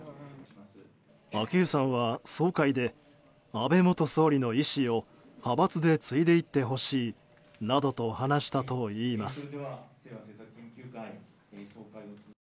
昭恵さんは総会で安倍元総理の遺志を派閥で継いでいってほしいなどと話したといいます。